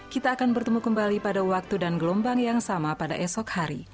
kita akan bertemu kembali pada waktu dan gelombang yang sama pada esok hari